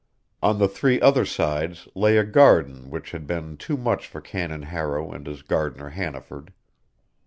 On the three other sides lay a garden which had been too much for Canon Harrow and his gardener Hannaford.